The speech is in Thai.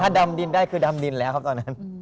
ดำดินได้คือดำดินแล้วครับตอนนั้น